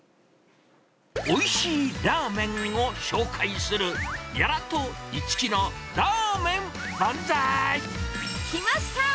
おいしいラーメンを紹介する、きました！